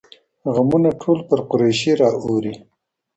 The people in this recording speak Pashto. غــمــــونــــه ټــول پــر قـــريـشـــي را اوري